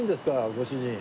ご主人。